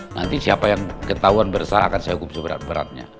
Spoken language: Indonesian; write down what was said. nanti siapa yang ketahuan bersalah akan saya hukum seberat beratnya